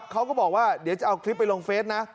เขาก็บอกว่าเดี๋ยวจะเอาคลิปไปลงเฟสนะ